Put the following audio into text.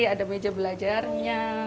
ada meja belajarnya